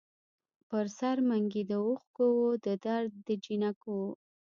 پر سر منګي د اوښکـــــو وو د درد دجینکــــو